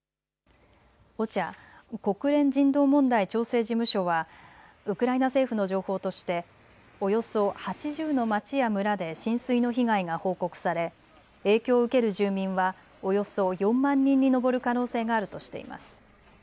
ＯＣＨＡ・国連人道問題調整事務所はウクライナ政府の情報としておよそ８０の町や村で浸水の被害が報告され影響を受ける住民はおよそ４万人に上る可能性があるとしています。